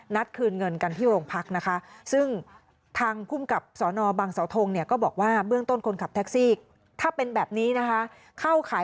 นัดคืนเงินกันที่โรงพักษ์นะคะ